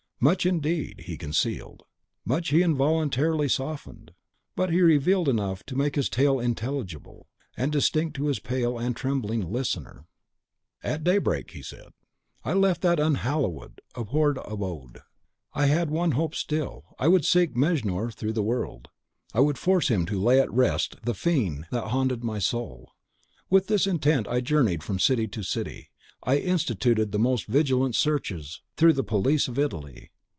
Much, indeed, he concealed, much he involuntarily softened; but he revealed enough to make his tale intelligible and distinct to his pale and trembling listener. "At daybreak," he said, "I left that unhallowed and abhorred abode. I had one hope still, I would seek Mejnour through the world. I would force him to lay at rest the fiend that haunted my soul. With this intent I journeyed from city to city. I instituted the most vigilant researches through the police of Italy.